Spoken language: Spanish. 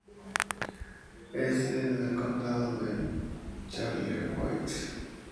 Es sede del condado de Charlevoix.